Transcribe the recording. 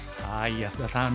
安田さん